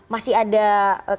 masih ada kebimbangan